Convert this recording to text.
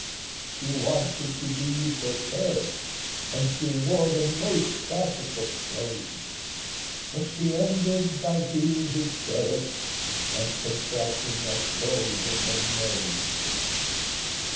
She wanted to be esoteric, And she wore the most classical clothes; But she ended by being hysteric And contracting a cold in her nose.